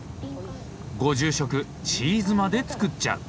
ご住職チーズまで作っちゃう！